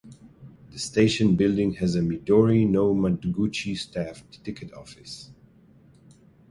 The station building has a "Midori no Madoguchi" staffed ticket office.